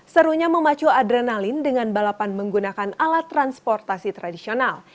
serunya memacu adrenalin dengan balapan menggunakan alat transportasi tradisional